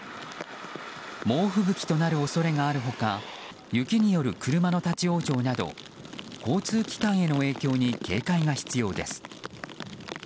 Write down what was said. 猛吹雪となる恐れもある他雪による車の立ち往生など交通機関への影響に警戒が必要です。